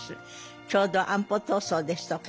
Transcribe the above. ちょうど安保闘争ですとか